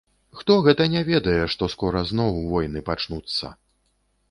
Хто гэта не ведае, што скора зноў войны пачнуцца!